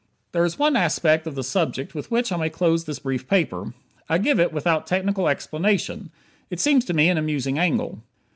There is one aspect of the subject with which I may close this brief paper. I give it without technical explanation; it seems to me an amusing angle.